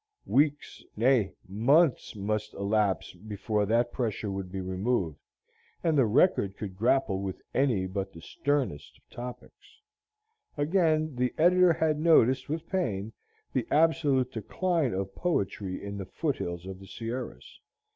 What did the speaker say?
Weeks, nay, months, must elapse before that pressure would be removed, and the "Record" could grapple with any but the sternest of topics. Again, the editor had noticed with pain the absolute decline of poetry in the foot hills of the Sierras.